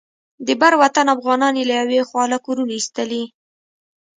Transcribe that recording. د بر وطن افغانان یې له یوې خوا له کورونو ایستلي.